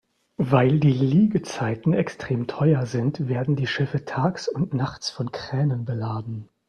Weil die Liegezeiten extrem teuer sind, werden die Schiffe tags und nachts von Kränen beladen.